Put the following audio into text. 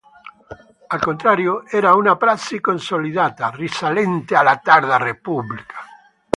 Al contrario era una prassi consolidata, risalente alla tarda Repubblica.